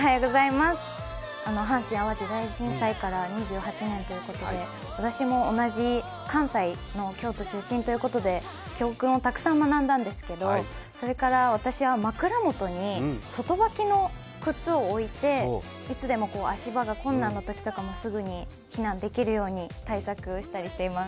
阪神・淡路大震災から２８年ということで私も同じ関西の京都出身ということで、教訓をたくさん学んだんですけどそれから私は枕元に外履きの靴を置いて足場が困難なときもすぐに避難できるように対策しています。